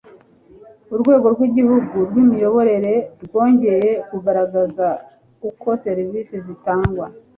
urwego rw'gihugu rw imiyoborere rwongeye kugaragaza uko serivisi zitangwa